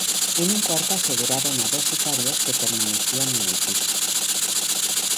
En un cuarto aseguraron a dos sicarios que permanecían en el piso.